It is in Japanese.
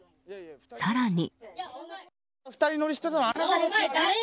更に。